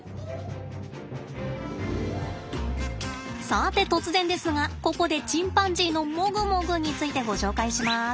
さて突然ですがここでチンパンジーのもぐもぐについてご紹介します！